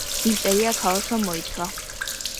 იმპერია ქაოსმა მოიცვა.